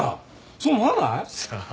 そう思わない？さあ。